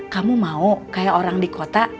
kamu mau kayak orang di kota